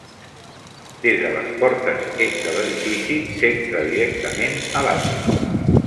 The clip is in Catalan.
Des de les portes est de l'edifici s'entra directament a l'atri.